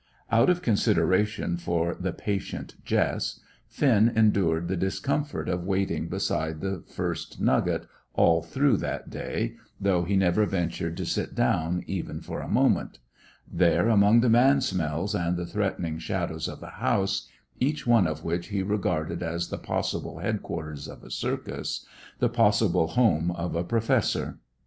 Out of consideration for the patient Jess, Finn endured the discomfort of waiting beside the "First Nugget" all through that day, though he never ventured to sit down even for a moment; there among the man smells and the threatening shadows of the houses, each one of which he regarded as the possible headquarters of a circus, the possible home of a "Professor."